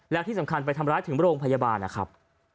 แล้วที่สำคัญไปทำร้ายถึงโรงพยาบาลนะครับ